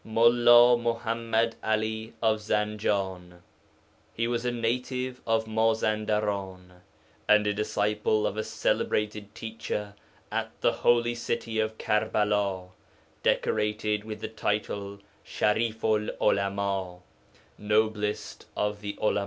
MULLĀ MUḤAMMAD 'ALI OF ZANJAN He was a native of Mazandaran, and a disciple of a celebrated teacher at the holy city of Karbala, decorated with the title Sharifu 'l Ulama ('noblest of the Ulama').